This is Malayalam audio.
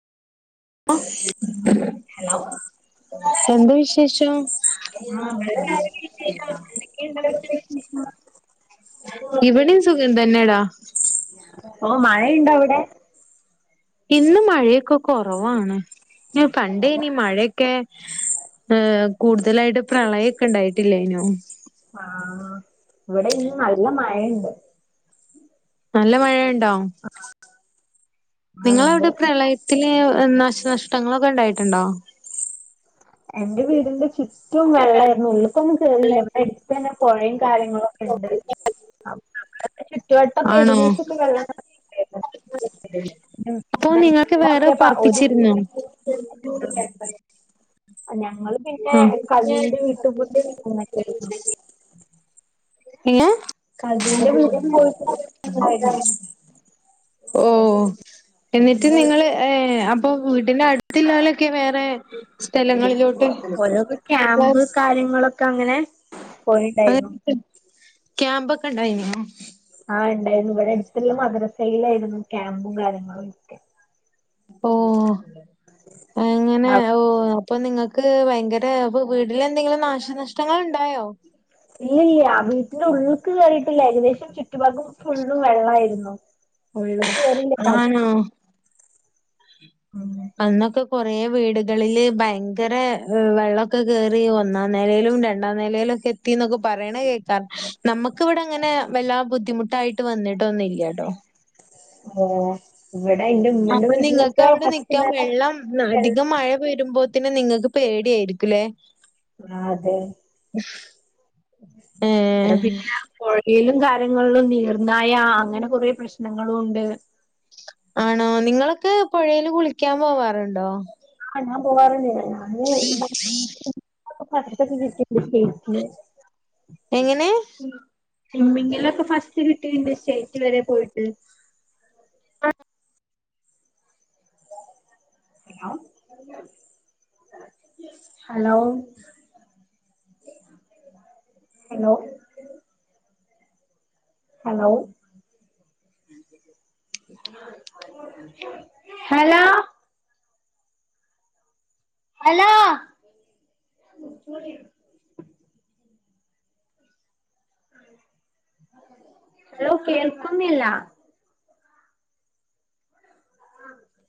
ഹലോ എന്താ വിശേഷം? ആ ഇവിടെ വിശേഷം എന്തൊക്കെയുണ്ട് അവിടുത്തെ വിശേഷം [unintelligible] ഇവടിം സുഖം തന്നെടാ ഓഹ് മഴയുണ്ടോ അവിടെ? ഇന്ന് മഴയൊക്കെ കോറവാണ് ഞ പണ്ടേനി മഴയൊക്കെ ഏഹ് കൂടുതലായിട്ട് പ്രളയൊക്കെ ഇണ്ടായിട്ടില്ലായിനോ? ആഹ് ഇവടെ ഇന്ന് നല്ല മഴണ്ട് നല്ല മഴണ്ടോ? ആ നിങ്ങളെ ഉണ്ട് അവിടെ പ്രളയത്തില് നാശനഷ്ടങ്ങളൊക്കെ ഇണ്ടായിട്ടുണ്ടോ? എന്റെ വീടിന്റെ ചുറ്റും വെള്ളായിരുന്നു ഉള്ളുക്കൊന്നും കേറിയില്ല ഇവിടെ എടുത്തന്നെ പൊഴിമ് കാര്യങ്ങളൊക്കെണ്ട് അപ്പൊ നമ്മളെ ചുറ്റുുവട്ടൊക്കെ ആണോ ഏകദേശക്കെ വെള്ളം നെറ അപ്പൊ നിങ്ങക്ക് വേറെ ഒരു പപ്പിച്ചിരുന്നോ [inaudible] ഞങ്ങള് പിന്നെ ആഹ് കസിന്റെ വീട്ട് അങ്ങനക്കെയി ഏനെ പോയിട്ട് [unintelligible] ആയിരുന്നു. ഓഹ് എന്നിട്ട് നിങ്ങള് ഏഹ് അപ്പൊ വീട്ടി ന്റെ അടുത്ത്ല്ലലൊക്കെ വേറെ സ്ഥലങ്ങളിൽ ഓരോക്കെ ക്യാമ്പ് കാര്യങ്ങളൊക്കെ അങ്ങനെ പോയിണ്ടായിരുന്നു ക്യാമ്പൊക്കെ ഉണ്ടായിനോ ആഹ് ഉണ്ടായിരുന്നു ഇവിടെ അടുത്തുള്ള മദ്രസയിലായിരുന്നു ക്യാമ്പും കാര്യങ്ങളും ഒക്കെ ഓ എങ്ങനെ ഓ ഓഹ് അപ്പൊ നിങ്ങൾക്ക് ഭയങ്കര ഇപ്പൊ വീട്ടില് എന്തെങ്കിലും നാശനഷ്ടങ്ങൾ ണ്ടായോ ഇല്ലല്ല വീട്ടിന്റെ ഉള്ള്ക്ക് കേയറിയിട്ടില്ല ഏകദേശം ചുറ്റുഭാഗം ഫുള്ളും വെള്ളമായിരുന്നു ഒയിവ്ക്ക് വരില്ല ആണോ? അന്നൊക്കെ കൊറേ വീടുകളില് ഭയങ്കര വെള്ളമൊക്കെ കറി ഒന്നാം നിലയിലും രണ്ടാ രണ്ടാ നിലയിലൊക്കെ എത്തിന്നൊക്കെ പറയണ കേൾക്കാ നമക്ക് ഇവിടെ അങ്ങനെ വല്ലാ ബുദ്ധിമുട്ടായിട്ട് ട്ട് വന്നിട്ട്ഒന്നില്ലട്ടോ ഏഹ് ഇവിടെ ന്റെ മ്മാ അപ്പൊ നിങ്ങക്ക് അവിടെ നിക്കാം വെള്ളം അധികം മഴ വരുമ്പോ പിന്നെ നിങ്ങൾക്ക് പേടിയായിരിക്കല്ലേ ആഹ് അതെ [inaudible] അലോ ഏഹ് പിന്നെ പുഴയിലും കാര്യങ്ങളിലും നീർന്നായ അങ്ങനെ കൊറേ പ്രശ്നങ്ങളും ഉണ്ട് ആണോ നിങ്ങളൊക്കെ പുഴയിൽ കുളിക്കാൻ പോവാറുണ്ടോ ആഹ് ഞാൻ പോവാറുണ്ടല്ല ഞ ഫസ്റ്റ്ത്തെ [unintelligible] എങ്ങനെ സ്മ്മിങ്ങിലൊക്കെ ഫസ്റ്റ് കിട്ടിണ്ട് സ്റ്റേറ്റ് വരെ പോയിട്ട് [unintelligible] hello hello hello hello hello [inaudible] hello കേൾക്കുന്നില്ല